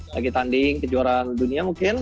lagi tanding kejuaraan dunia mungkin